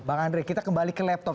bang andre kita kembali ke laptop